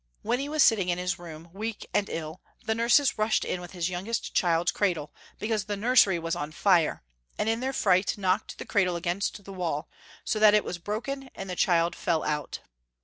When he was sitting in his room, weak and ill, the nurses rushed in with his youngest child's cradle, because the nursery was on fire, and in their fright knocked the cradle against the wall, so that it was broken, and the cliild fell out.